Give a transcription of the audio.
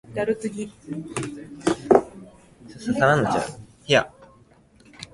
ニューメキシコ州の州都はサンタフェである